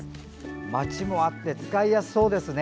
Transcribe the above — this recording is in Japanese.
マチもあって使いやすそうですね。